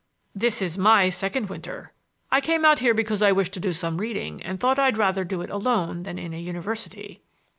"This is my second winter. I came out here because I wished to do some reading, and thought I'd rather do it alone than in a university."